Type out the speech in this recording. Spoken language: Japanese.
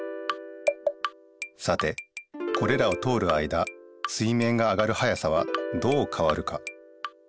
さてこれらを通るあいだ水面が上がる速さはどう変わるか？